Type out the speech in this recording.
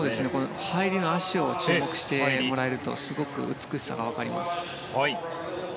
入りの足に注目してもらえるとすごく美しさが分かります。